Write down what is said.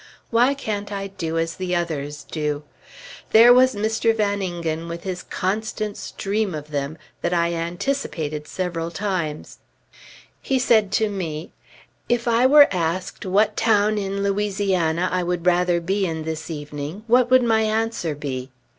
Why can't I do as the others do? There was Mr. Van Ingen with his constant stream of them, that I anticipated several times. He said to me, "If I were asked what town in Louisiana I would rather be in this evening, what would my answer be?"